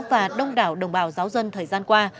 và đông đảo đồng bào giáo dân thời gian qua